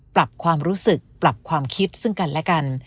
ปรับความรู้สึกปรับความคิดซึ่งกันและกัน